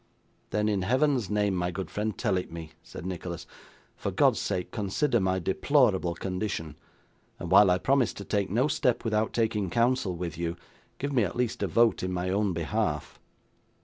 'Then in Heaven's name, my good friend, tell it me,' said Nicholas. 'For God's sake consider my deplorable condition; and, while I promise to take no step without taking counsel with you, give me, at least, a vote in my own behalf.